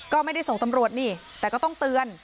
ก็ไม่ได้ส่งตำรวจนี่แต่ก็ต้องเตือน